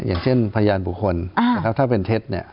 อย่างเช่นพยานบุคคลนะครับถ้าเป็นเท็จเนี่ย